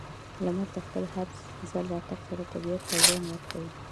•لمر د خپل هر ځل راتګ سره طبیعت ته ژوند ورکوي.